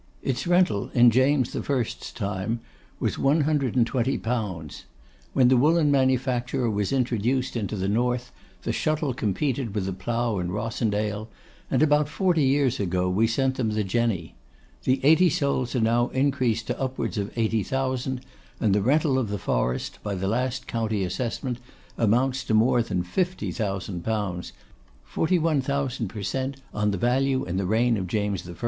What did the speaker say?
Its rental in James the First's time was 120_l._ When the woollen manufacture was introduced into the north, the shuttle competed with the plough in Rossendale, and about forty years ago we sent them the Jenny. The eighty souls are now increased to upwards of eighty thousand, and the rental of the forest, by the last county assessment, amounts to more than 50,000_l._, 41,000 per cent, on the value in the reign of James I.